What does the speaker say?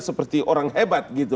seperti orang hebat